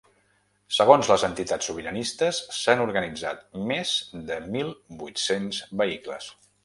Segons les entitats sobiranistes s’han organitzat més de mil vuit-cents vehicles.